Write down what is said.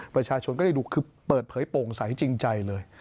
ประชาชนก็ได้ดูคือเปิดเผยโปร่งใสจริงใจเลย